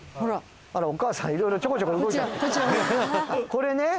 これね。